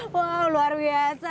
wow luar biasa